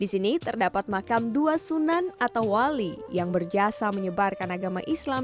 di sini terdapat makam dua sunan atau wali yang berjasa menyebarkan agama islam